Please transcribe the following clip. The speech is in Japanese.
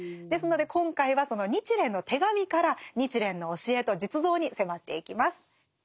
ですので今回はその「日蓮の手紙」から日蓮の教えと実像に迫っていきます。